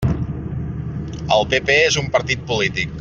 El PP és un partit polític.